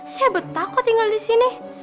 saya betako tinggal di sini